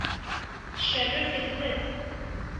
Cerref, ixlef!